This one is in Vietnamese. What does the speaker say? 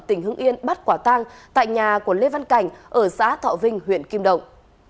tỉnh hưng yên bắt quả tang tại nhà của lê văn cảnh ở xã thọ vinh huyện kim động